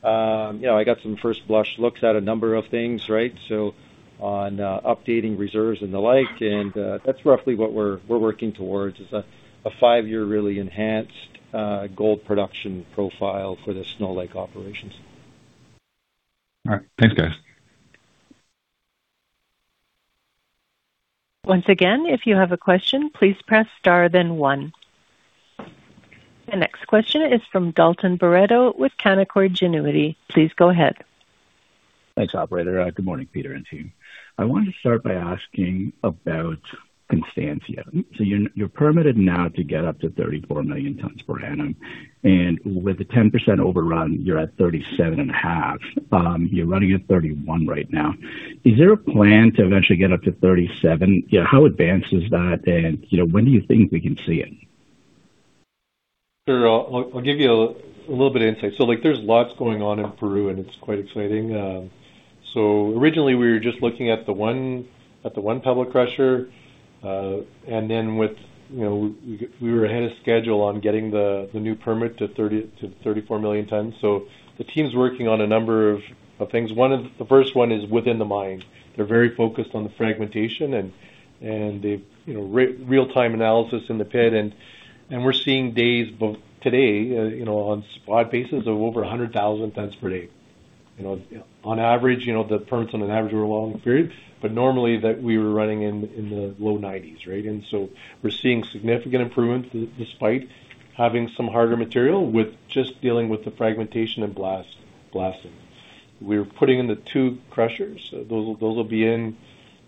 I got some first blush looks at a number of things, right? On updating reserves and the like, and that's roughly what we're working towards, is a five-year really enhanced gold production profile for the Snow Lake operations. All right. Thanks, guys. Once again, if you have a question, please press star then one. The next question is from Dalton Baretto with Canaccord Genuity. Please go ahead. Thanks, operator. Good morning, Peter and team. I wanted to start by asking about Constancia. You're permitted now to get up to 34 million tons per annum, and with the 10% overrun, you're at 37.5. You're running at 31 right now. Is there a plan to eventually get up to 37? How advanced is that, and when do you think we can see it? Sure. I'll give you a little bit of insight. There's lots going on in Peru, and it's quite exciting. Originally, we were just looking at the one pebble crusher, and then we were ahead of schedule on getting the new permit to 30-34 million tons. The team's working on a number of things. The first one is within the mine. They're very focused on the fragmentation and the real-time analysis in the pit, and we're seeing days, both today, on spot basis of over 100,000 tons per day. On the permits, on an average over a long period, but normally we were running in the low 90s, right? We're seeing significant improvements despite having some harder material with just dealing with the fragmentation and blasting. We're putting in the two crushers. Those will be in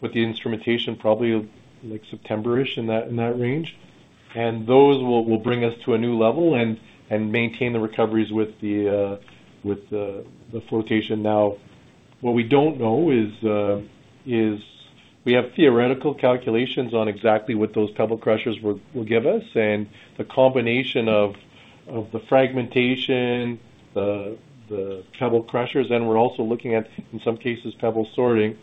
with the instrumentation probably like September-ish, in that range. Those will bring us to a new level and maintain the recoveries with the flotation. Now, what we don't know is we have theoretical calculations on exactly what those pebble crushers will give us and the combination of the fragmentation, the pebble crushers, and we're also looking at, in some cases, pebble sorting,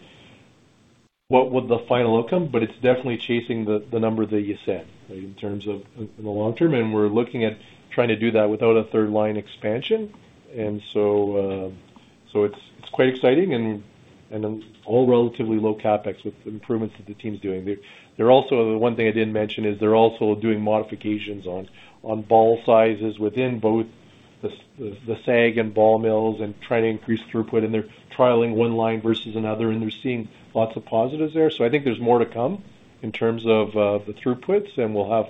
what would the final outcome, but it's definitely chasing the number that you said in terms of in the long term, and we're looking at trying to do that without a third line expansion. It's quite exciting and all relatively low CapEx with the improvements that the team's doing. The one thing I didn't mention is they're also doing modifications on ball sizes within both the SAG and ball mills and trying to increase throughput and they're trialing one line versus another, and they're seeing lots of positives there. I think there's more to come in terms of the throughputs, and we'll have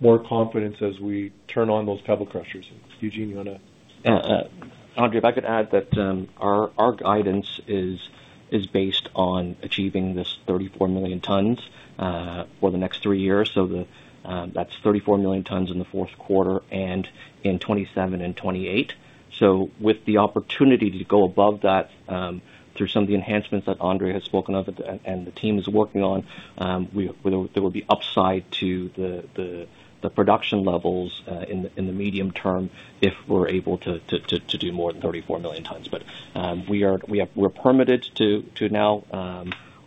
more confidence as we turn on those pebble crushers. Eugene, you want to add to that? Andre, if I could add that our guidance is based on achieving this 34 million tons for the next three years. That's 34 million tons in the fourth quarter and in 2027 and 2028. With the opportunity to go above that through some of the enhancements that Andre has spoken of and the team is working on, there will be upside to the production levels in the medium term if we're able to do more than 34 million tons. We're permitted to now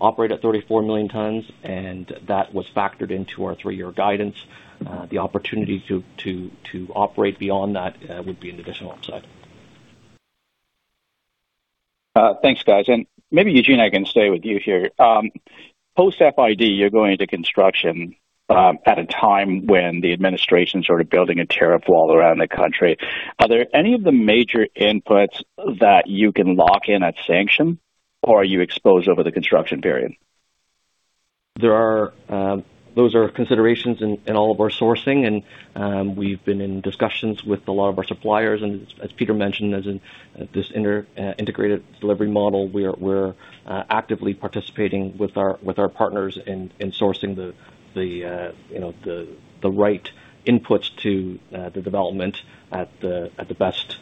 operate at 34 million tons, and that was factored into our three-year guidance. The opportunity to operate beyond that would be an additional upside. Thanks, guys. Maybe Eugene, I can stay with you here. Post-FID, you're going into construction at a time when the administration's sort of building a tariff wall around the country. Are there any of the major inputs that you can lock in at sanction? Or are you exposed over the construction period? Those are considerations in all of our sourcing, we've been in discussions with a lot of our suppliers, as Peter mentioned, this integrated delivery model, we're actively participating with our partners in sourcing the right inputs to the development at the best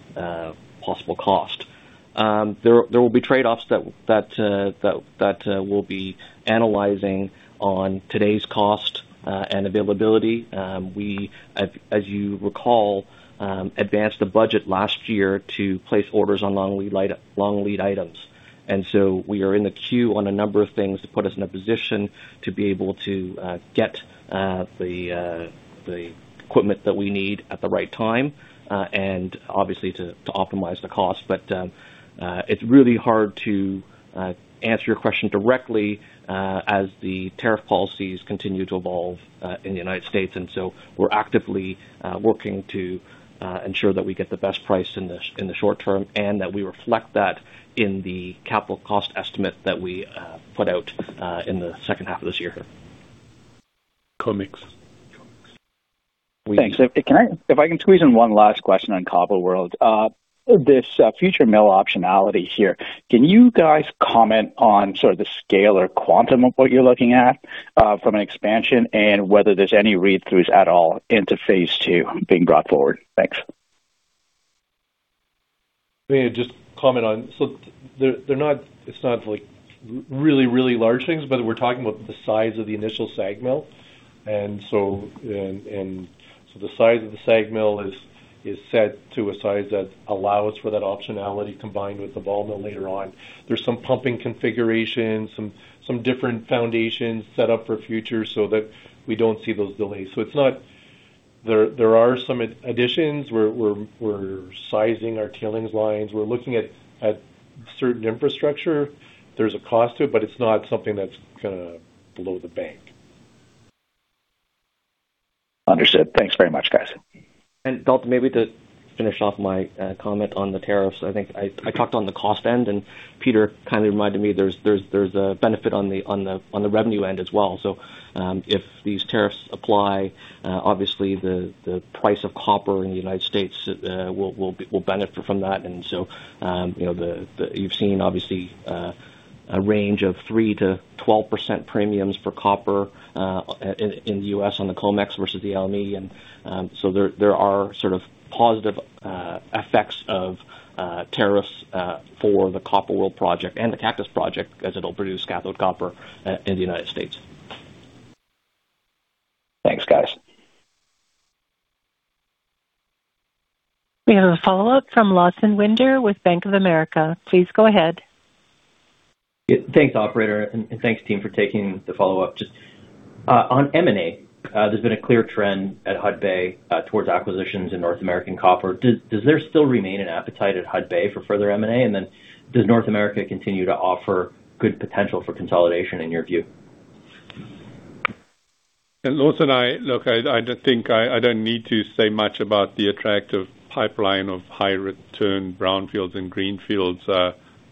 possible cost. There will be trade-offs that we'll be analyzing on today's cost and availability. We, as you recall, advanced the budget last year to place orders on long lead items. We are in the queue on a number of things to put us in a position to be able to get the equipment that we need at the right time, and obviously to optimize the cost. It's really hard to answer your question directly as the tariff policies continue to evolve in the U.S., we're actively working to ensure that we get the best price in the short term and that we reflect that in the capital cost estimate that we put out in the second half of this year. COMEX. Thanks. If I can squeeze in one last question on Copper World. This future mill optionality here, can you guys comment on sort of the scale or quantum of what you're looking at from an expansion and whether there's any read-throughs at all into Phase 2 being brought forward? Thanks. Let me just comment on it's not like really large things, but we're talking about the size of the initial SAG mill. The size of the SAG mill is set to a size that allows for that optionality combined with the ball mill later on. There's some pumping configurations, some different foundations set up for future so that we don't see those delays. It's not There are some additions. We're sizing our tailings lines. We're looking at certain infrastructure. There's a cost to it, but it's not something that's going to blow the bank. Understood. Thanks very much, guys. Dalton, maybe to finish off my comment on the tariffs, I think I talked on the cost end, and Peter kindly reminded me there's a benefit on the revenue end as well. If these tariffs apply, obviously the price of copper in the United States will benefit from that. You've seen, obviously, a range of 3%-12% premiums for copper in the U.S. on the COMEX versus the LME. There are sort of positive effects of tariffs for the Copper World project and the Cactus project as it'll produce cathode copper in the United States. Thanks, guys. We have a follow-up from Lawson Winder with Bank of America. Please go ahead. Thanks, operator, and thanks team for taking the follow-up. Just on M&A, there's been a clear trend at Hudbay towards acquisitions in North American copper. Does there still remain an appetite at Hudbay for further M&A? Does North America continue to offer good potential for consolidation in your view? Lawson, look, I don't need to say much about the attractive pipeline of high return brownfields and greenfields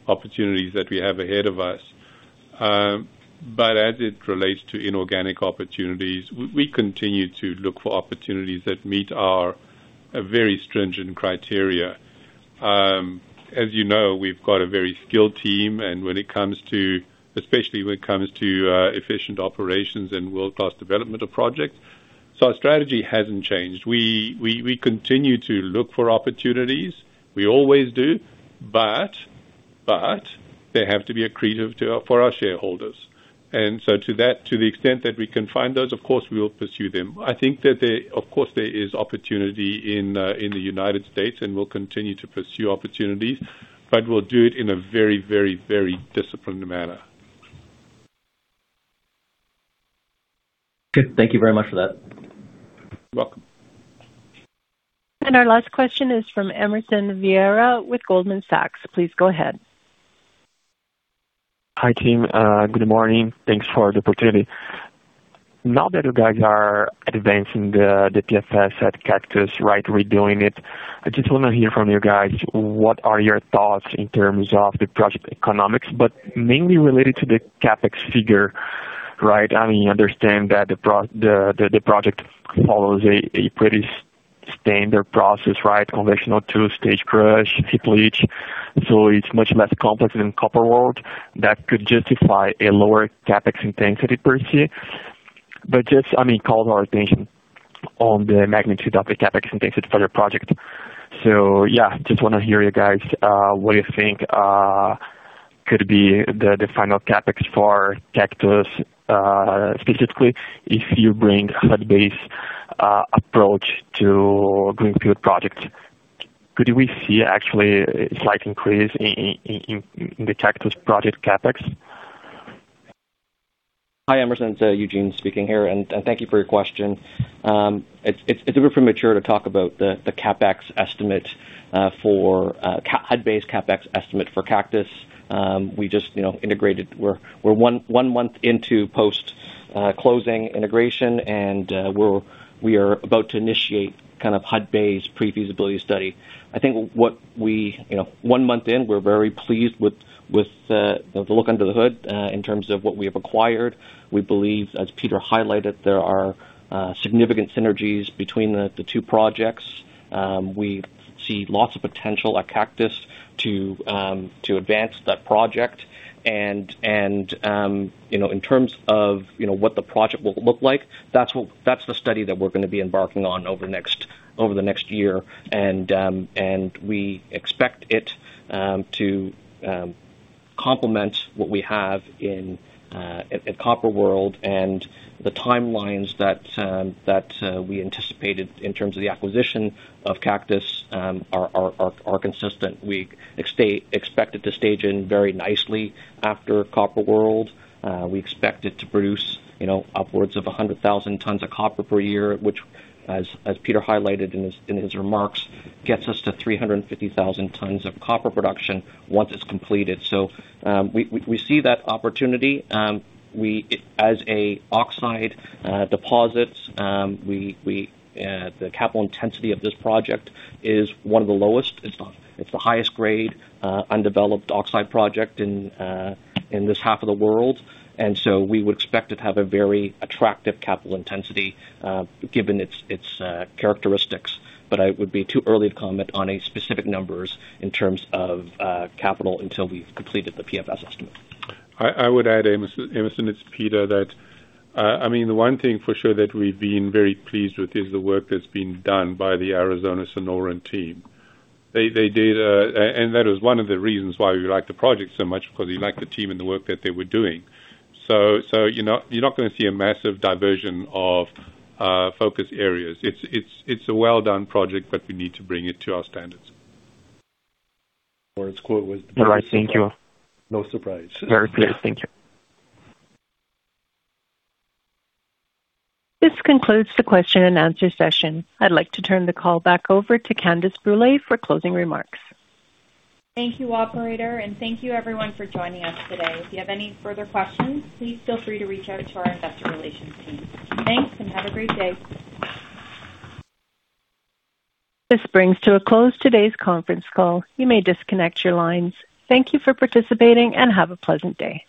opportunities that we have ahead of us. As it relates to inorganic opportunities, we continue to look for opportunities that meet our very stringent criteria. As you know, we've got a very skilled team and especially when it comes to efficient operations and world-class development of projects. Our strategy hasn't changed. We continue to look for opportunities. We always do, but they have to be accretive for our shareholders. To the extent that we can find those, of course, we will pursue them. I think that of course, there is opportunity in the United States, and we'll continue to pursue opportunities, but we'll do it in a very, very, very disciplined manner. Good. Thank you very much for that. You're welcome. Our last question is from Emerson Vieira with Goldman Sachs. Please go ahead. Hi, team. Good morning. Thanks for the opportunity. Now that you guys are advancing the PFS at Cactus, right? Redoing it. I just want to hear from you guys, what are your thoughts in terms of the project economics, but mainly related to the CapEx figure, right? I understand that the project follows a pretty standard process, right? Conventional two-stage crush, heap leach. It's much less complex than Copper World. That could justify a lower CapEx intensity per se. Just call to our attention on the magnitude of the CapEx intensity for your project. Just want to hear you guys, what you think could be the final CapEx for Cactus, specifically if you bring Hudbay's approach to greenfield projects. Could we see actually a slight increase in the Cactus project CapEx? Hi, Emerson, it's Eugene speaking here. Thank you for your question. It's a bit premature to talk about Hudbay's CapEx estimate for Cactus. We just integrated. We're one month into post-closing integration, and we are about to initiate kind of Hudbay's pre-feasibility study. I think one month in, we're very pleased with the look under the hood, in terms of what we have acquired. We believe, as Peter highlighted, there are significant synergies between the two projects. We see lots of potential at Cactus to advance that project and in terms of what the project will look like, that's the study that we're going to be embarking on over the next year. We expect it to complement what we have in Copper World and the timelines that we anticipated in terms of the acquisition of Cactus are consistent. We expect it to stage in very nicely after Copper World. We expect it to produce upwards of 100,000 tons of copper per year, which as Peter highlighted in his remarks, gets us to 350,000 tons of copper production once it's completed. We see that opportunity. As an oxide deposits, the capital intensity of this project is one of the lowest. It's the highest grade, undeveloped oxide project in this half of the world. We would expect it to have a very attractive capital intensity, given its characteristics. It would be too early to comment on specific numbers in terms of capital until we've completed the PFS estimate. I would add, Emerson, it's Peter, that the one thing for sure that we've been very pleased with is the work that's been done by the Arizona Sonoran team. That is one of the reasons why we like the project so much, because we like the team and the work that they were doing. You're not going to see a massive diversion of focus areas. It's a well-done project, but we need to bring it to our standards. [Lawson] quote was- All right. Thank you. No surprise. Very clear. Thank you. This concludes the question and answer session. I'd like to turn the call back over to Candace Brule for closing remarks. Thank you, operator, and thank you everyone for joining us today. If you have any further questions, please feel free to reach out to our investor relations team. Thanks. Have a great day. This brings to a close today's conference call. You may disconnect your lines. Thank you for participating. Have a pleasant day.